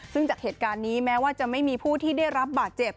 ซึ่งจากเหตุการณ์นี้แม้ว่าจะไม่มีผู้ที่ได้รับบาดเจ็บ